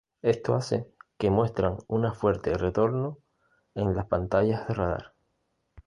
Esto hace que muestran una fuerte "retorno" en las pantallas de radar.